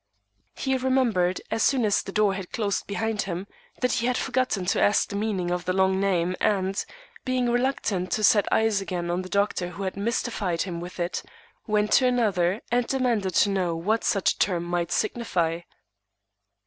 He remembered, as soon as the door had closed behind him, that he had forgotten to ask the meaning of the long name; and, being reluctant to set eyes again on the doctor who had mystified him with it, went to another and demanded to know what such a term might signify.